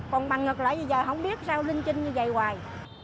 còn bằng ngược lại như vậy không biết sao linh chuyên như vậy hoài